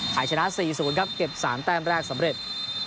ไทยชนะ๔๐ครับเก็บ๓แต้มแรกสำเร็จ